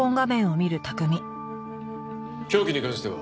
凶器に関しては？